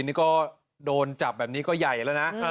นี่ก็โดนจับแบบนี้ก็ใหญ่แล้วนะ